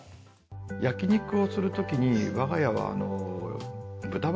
焼き肉をするときに我が家は。